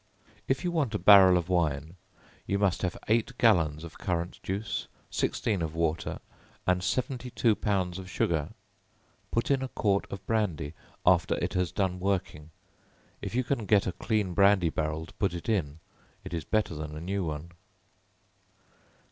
If you want a barrel of wine, you must have eight gallons of currant juice, sixteen of water, and seventy two pounds of sugar; put in a quart of brandy after it has done working; if you can get a clean brandy barrel to put it in, it is better than a new one.